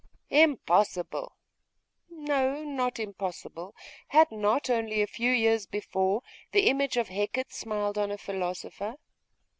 Impossible! No, not impossible. Had not, only a few years before, the image of Hecate smiled on a philosopher?